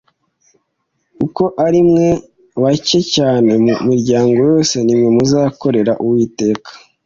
kuko ari mwe bake cyane mu miryango yose nimwa muzakorera uwiteka.